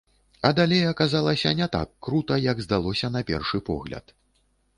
А далей аказалася не так крута, як здалося на першы погляд.